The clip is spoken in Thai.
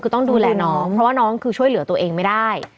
คือต้องดูแลน้องเพราะว่าน้องคือช่วยเหลือตัวเองไม่ได้